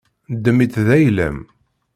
Ddem-itt d ayla-m.